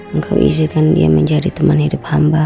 engkau izinkan dia menjadi teman hidup hamba